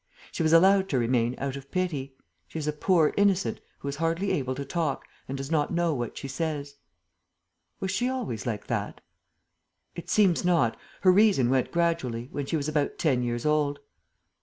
She was allowed to remain out of pity. She is a poor innocent, who is hardly able to talk and does not know what she says." "Was she always like that?" "It seems not. Her reason went gradually, when she was about ten years old."